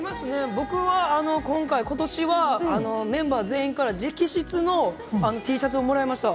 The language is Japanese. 僕は今年はメンバー全員から直筆のＴシャツをもらいました。